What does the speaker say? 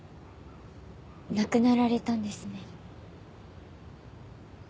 亡くなられたんですね。